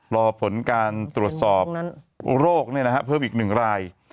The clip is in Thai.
รอผลการตรวจสอบโรคเพิ่มอีก๑ราย